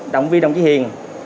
động viên đồng chí hiền